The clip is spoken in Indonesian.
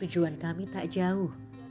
tujuan kami tak jauh